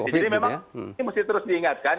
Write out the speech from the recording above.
jadi memang ini mesti terus diingatkan